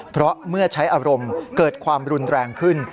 เพราะเมื่อใช้อารมณ์เกิดความรุนแรงขึ้น